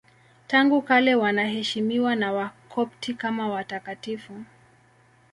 Tangu kale wanaheshimiwa na Wakopti kama watakatifu.